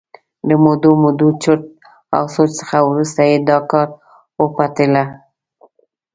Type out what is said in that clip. له مودو مودو چرت او سوچ څخه وروسته یې دا کار وپتېله.